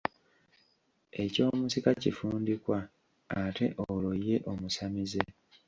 Eky'omusika kifundikwa, ate olwo ye omusamize?